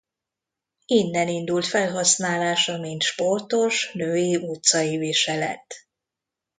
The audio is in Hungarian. Innen indult felhasználása mint sportos női utcai viselet.